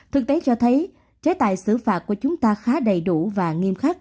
thực tế cho thấy chế tài xử phạt của chúng ta khá đầy đủ và nghiêm khắc